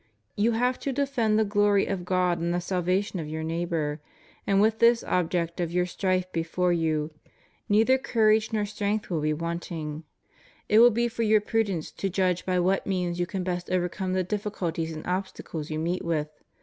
You have to defend the glory of God and the salvation of your neighbor; and with this object of your strife before you, neither courage nor 102 FREEMASONRY. strength will be wanting. It will be for your prudence to judge by what means you can best overcome the difficulties and obstacles you meet with.